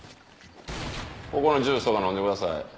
ここのジュースを飲んでください。